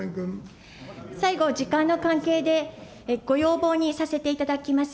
最後、時間の関係で、ご要望にさせていただきます。